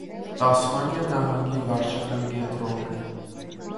Տասմանիա նահանգի վարչական կենտրոնն է։